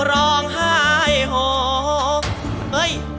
ร้องหายห่บ